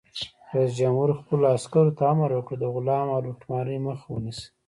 رئیس جمهور خپلو عسکرو ته امر وکړ؛ د غلا او لوټمارۍ مخه ونیسئ!